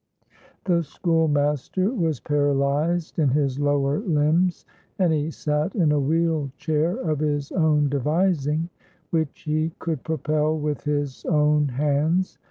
The schoolmaster was paralyzed in his lower limbs, and he sat in a wheel chair of his own devising, which he could propel with his own hands.